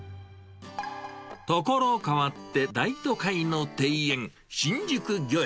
ところかわって、大都会の庭園、新宿御苑。